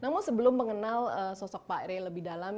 namun sebelum mengenal sosok pak rey lebih dalam